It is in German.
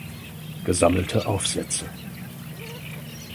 Gesammelte Aufsätze".